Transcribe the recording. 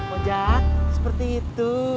ojak seperti itu